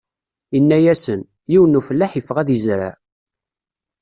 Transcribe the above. Inna-asen: Yiwen n ufellaḥ iffeɣ ad izreɛ.